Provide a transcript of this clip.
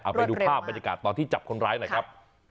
เอาไปดูภาพบรรยากาศตอนที่จับคนร้ายหน่อยครับ